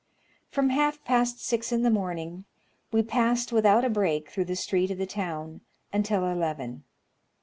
From half past six in the morning, we passed without a break through the street of the town until eleven.